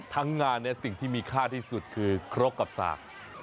ทั้งงานสิ่งที่มีค่าที่สุดคือครกกับสาก